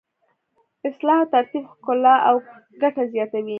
اصلاح او ترتیب ښکلا او ګټه زیاتوي.